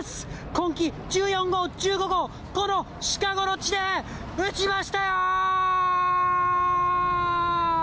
今季１４号、１５号、このシカゴの地で打ちましたよ！